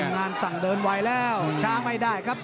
งานสั่งเดินไวแล้วช้าไม่ได้ครับ